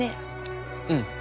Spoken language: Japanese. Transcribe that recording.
うん。